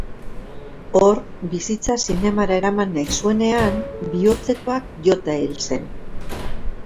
Hor, bizitza zinemara eraman nahi zuenean, bihotzekoak jota hil zen.